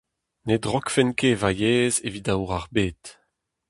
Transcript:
Ne drokfen ket ma yezh evit aour ar bed.